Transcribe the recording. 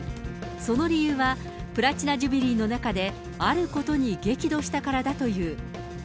その理由は、プラチナ・ジュビリーの中であることに激怒したからだという。